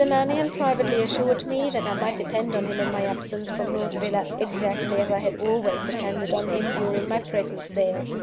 Mannion privately assured me, that I might depend on him in my absence from North Villa, exactly as I had always depended on him, during my presence there.